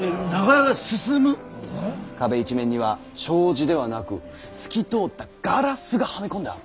壁一面には障子ではなく透き通ったガラスがはめ込んである。